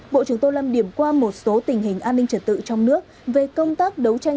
bộ trưởng tô lâm điểm qua một số tình hình an ninh trật tự trong nước về công tác đấu tranh